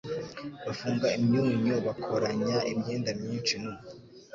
Bafunga imyunyu bakoranya imyenda myinshi nu